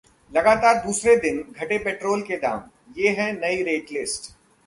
लगातार दूसरे दिन घटे पेट्रोल के दाम, ये है नई रेट लिस्ट